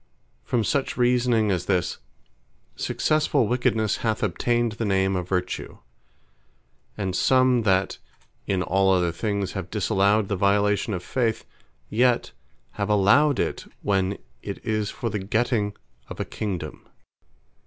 From such reasoning as this, Succesfull wickednesse hath obtained the Name of Vertue; and some that in all other things have disallowed the violation of Faith; yet have allowed it, when it is for the getting of a Kingdome.